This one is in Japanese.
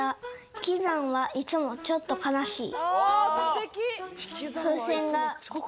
「ひきざんはいつもちょっとかなしい」。